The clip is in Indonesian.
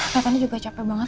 ternyata juga capek banget